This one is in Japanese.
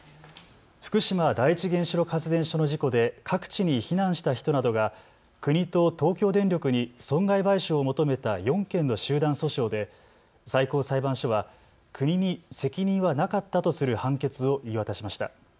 福島第一原子力発電所の事故で各地に避難した人などが国と東京電力に損害賠償を求めた４件の集団訴訟で最高裁判所は国に責任はなかったとする判決を言い渡しました。